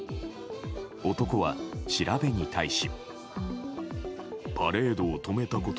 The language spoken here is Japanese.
男は調べに対し。